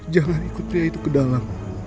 jangan ikut pria itu ke dalam